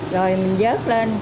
rồi mình dớt lên